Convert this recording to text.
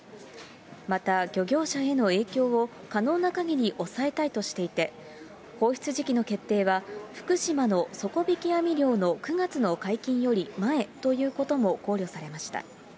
また、漁業者への影響を可能なかぎり抑えたいとしていて、放出時期の決定は、福島の底引き網漁の９月の解禁より前ということも考慮されました。